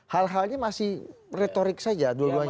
hal halnya masih retorik saja dua duanya